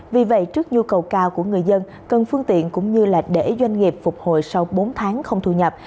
vì vậy trước nhu cầu cao của người dân cần phương tiện cũng như là để doanh nghiệp phục hồi sau bốn tháng không thu nhập